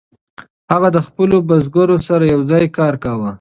هغه د خپلو بزګرو سره یوځای کار کاوه.